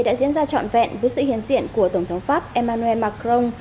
đã diễn ra trọn vẹn với sự hiện diện của tổng thống pháp emmanuel macron